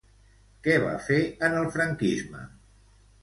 Què va fer en el franquisme?